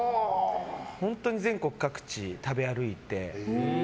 本当に全国各地、食べ歩いて。